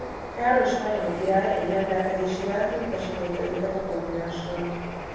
Károly spanyol király egy rendelkezésével kiutasította őket a kontinensről.